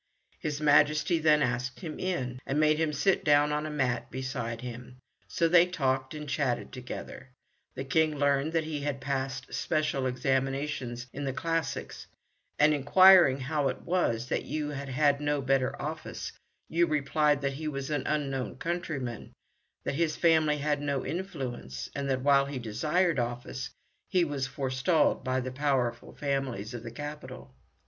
His Majesty then asked him in, and made him sit down on a mat beside him. So they talked and chatted together. The King learned that he had passed special examinations in the classics, and inquiring how it was that Yoo had had no better office, Yoo replied that he was an unknown countryman, that his family had no influence, and that, while he desired office, he was forestalled by the powerful families of the capital.